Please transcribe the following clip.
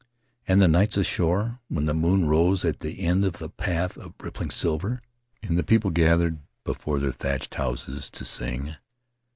And the nights ashore, when the moon rose at the end of a path of rippling silver, and the people gathered before their thatched houses to sing.